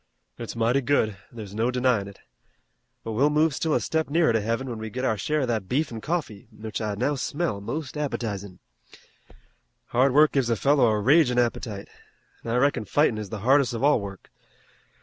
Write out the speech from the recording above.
"It's mighty good. There's no denyin' it, but we'll move still a step nearer to Heaven, when we get our share of that beef an' coffee, which I now smell most appetizin'. Hard work gives a fellow a ragin' appetite, an' I reckon fightin' is the hardest of all work.